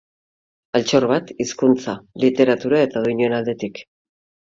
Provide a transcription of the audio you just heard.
Altxor bat, hizkuntza, literatura eta doinuen aldetik.